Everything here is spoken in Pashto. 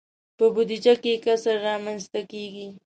په بودجه کې کسر رامنځته کیږي.